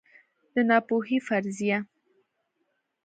د ناپوهۍ فرضیه